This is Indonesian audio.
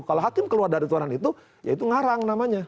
kalau hakim keluar dari aturan itu ya itu ngarang namanya